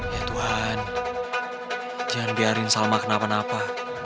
ya tuhan jangan biarin salma kenapa napa